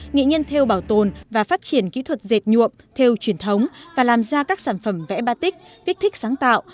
nghệ nhân theo bảo tồn và phát triển kỹ thuật dệt nhuộm theo truyền thống và làm ra các sản phẩm vẽ ba tích kích thích sáng tạo